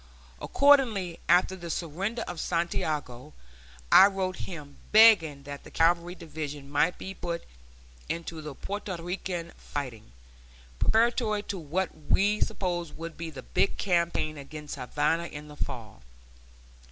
Accordingly, after the surrender of Santiago, I wrote him begging that the cavalry division might be put into the Porto Rican fighting, preparatory to what we supposed would be the big campaign against Havana in the fall.